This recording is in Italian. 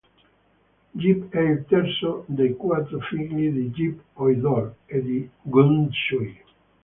Yip è il terzo dei quattro figli di Yip Oi-dor e di Ng Shui.